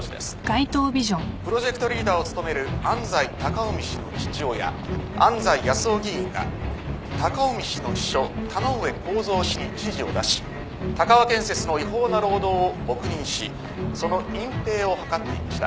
プロジェクトリーダーを務める安斎高臣氏の父親安斎康雄議員が高臣氏の秘書田之上幸三氏に指示を出し鷹和建設の違法な労働を黙認しその隠蔽を図っていました。